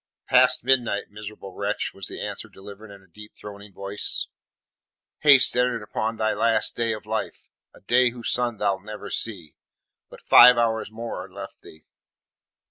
"Past midnight, miserable wretch," was the answer delivered in a deep droning voice. "Hast entered upon thy last day of life a day whose sun thou'lt never see. But five hours more are left thee."